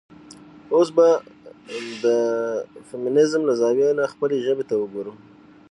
اوس به د د فيمينزم له زاويې نه خپلې ژبې ته وګورو.